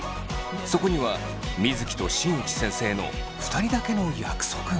そこには水城と新内先生の２人だけの約束が。